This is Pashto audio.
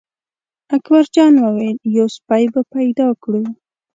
اکبر جان وویل: یو سپی به پیدا کړو.